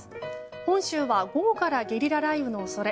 本州は午後からゲリラ雷雨の恐れ。